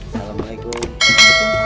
tinggal tempat mertua gue ya